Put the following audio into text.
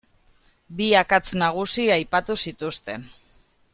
Bi akats nagusi aipatu zituzten.